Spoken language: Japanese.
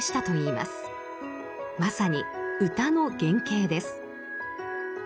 まさに「歌」の原型です。